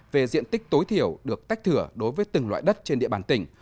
về diện tích tối thiểu được tách thửa đối với từng loại đất trên địa bàn tỉnh